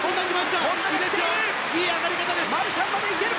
いい上がり方です！